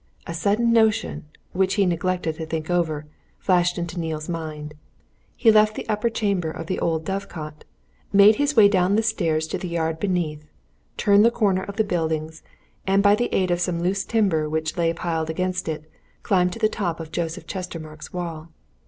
A sudden notion which he neglected to think over flashed into Neale's mind. He left the upper chamber of the old dove cot, made his way down the stairs to the yard beneath, turned the corner of the buildings, and by the aid of some loose timber which lay piled against it, climbed to the top of Joseph Chestermarke's wall.